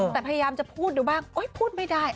แต่พยายามจะพูดดูบ้างโอ๊ยพูดไม่ได้